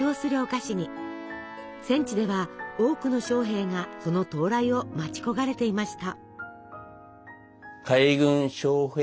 戦地では多くの将兵がその到来を待ち焦がれていました。